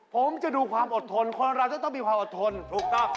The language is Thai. ผมจะดูความอดทนคนเราจะต้องมีความอดทนถูกต้อง